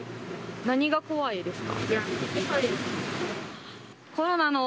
何が怖いですか？